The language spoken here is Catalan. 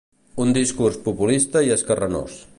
Un discurs populista i esquerranós.